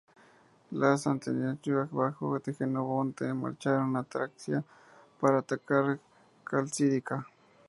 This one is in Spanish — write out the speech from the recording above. Los atenienses bajo Jenofonte marcharon a Tracia para atacar Calcídica.